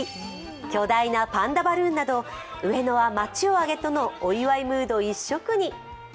巨大なパンダバルーンなど上野は街をあげてのお祝いムード一色に。